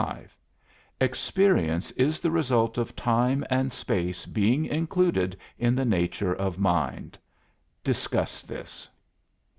Experience is the result of time and space being included in the nature of mind. Discuss this.